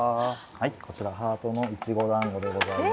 こちらハートのいちごだんごでございます。